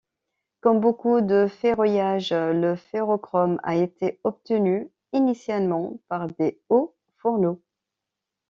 Comme beaucoup de ferroalliages, le ferrochrome a été obtenu initialement par des hauts fourneaux.